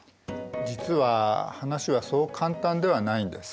実は話はそう簡単ではないんです。